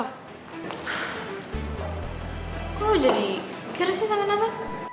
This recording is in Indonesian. kok lo jadi keras sih sama nana